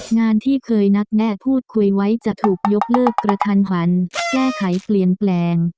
งานที่เคยนัดแนะพูดคุยไว้จะถูกยกเลิกกระทันหันแก้ไขเปลี่ยนแปลง